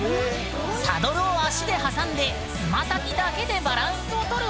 サドルを足で挟んで爪先だけでバランスを取る技